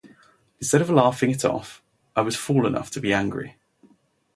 Instead of laughing it off, I was fool enough to be angry.